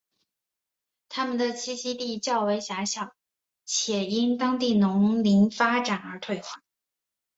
它们的栖息地较为狭小且因当地农业林业发展而退化。